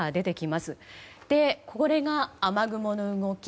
そして、これが雨雲の動き